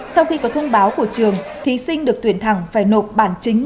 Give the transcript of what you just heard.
sau khi có thông báo của trường thí sinh được tuyển thẳng phải nộp bản chính